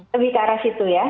lebih ke arah situ ya